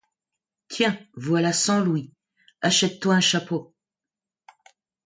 Tiens, voilà cent louis, achète-toi un chapeau.